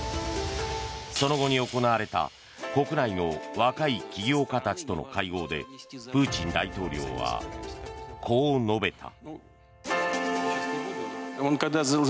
その後に行われた国内の若い起業家たちとの会合でプーチン大統領はこう述べた。